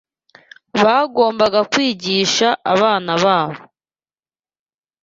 bagombaga kwigisha abana babo